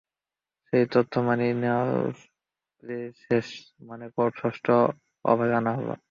সেই তত্ত্ব মেনেই পাওয়ার প্লের শেষ, মানে ষষ্ঠ ওভারে আনা হলো।